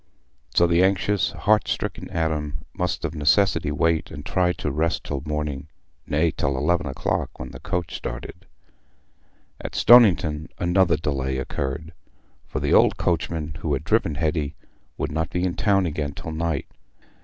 So the anxious heart stricken Adam must of necessity wait and try to rest till morning—nay, till eleven o'clock, when the coach started. At Stoniton another delay occurred, for the old coachman who had driven Hetty would not be in the town again till night.